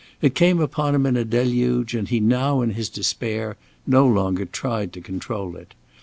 It came upon him in a deluge, and he now, in his despair, no longer tried to control it.